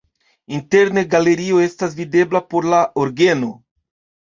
Interne galerio estas videbla por la orgeno.